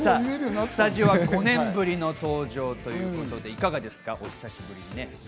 スタジオは５年ぶりの登場ということですが、いかがですか？